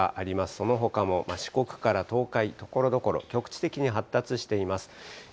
そのほかも四国から東海、ところどころ局地的に発達しています。